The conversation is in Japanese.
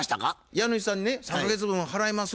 家主さんにね「３か月分払います」